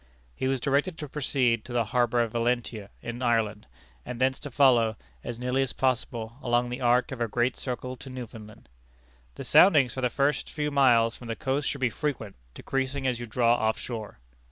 He was directed to proceed to the harbor of Valentia in Ireland, and thence to follow, as nearly as possible, along the arc of a great circle to Newfoundland. "The soundings for the first few miles from the coast should be frequent, decreasing as you draw off shore."